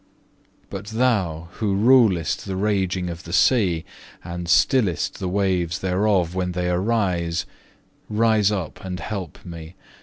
4. But Thou who rulest the raging of the sea, and stillest the waves thereof when they arise, rise up and help me.